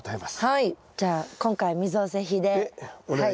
はい。